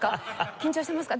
緊張してますか？